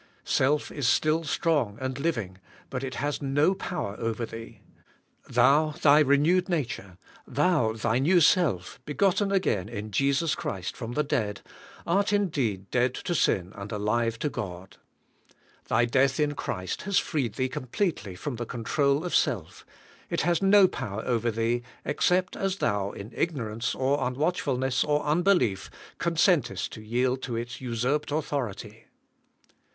Self is still strong and living, but it has no poiver over thee. Thou, thy renewed nature — thou, thy new self, begot ten again in Jesus Christ from the dead — art indeed AND NOT IN SELF. 219 dead to sin and alive to God. Thy death in Christ has freed thee completely from the control of self: it has no power over thee, except as thou, in ignorance, or nnwatchfulness, or nnbelief, consentest to yield to its usurped authority.